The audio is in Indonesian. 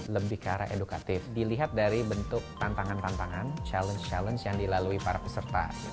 lebih ke arah edukatif dilihat dari bentuk tantangan tantangan challenge challenge yang dilalui para peserta